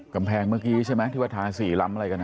กำแพงเมื่อกี้ใช่ไหมที่ว่าทา๔ล้ำอะไรกัน